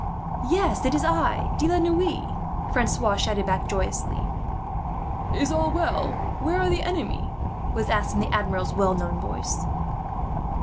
"Yes, it is I, De la Noue," Francois shouted back joyously. "Is all well? Where are the enemy?" was asked, in the Admiral's well known voice.